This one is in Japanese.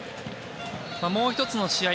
もう１つの試合